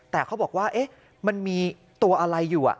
แต่เขาบอกว่ามันมีตัวอะไรอยู่